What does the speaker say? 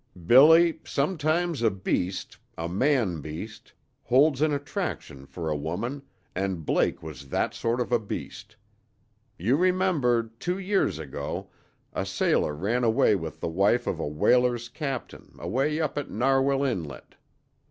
"Billy, sometimes a beast a man beast holds an attraction for a woman, and Blake was that sort of a beast. You remember two years ago a sailor ran away with the wife of a whaler's captain away up at Narwhale Inlet.